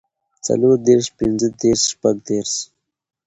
څلور دېرش پنځۀ دېرش شپږ دېرش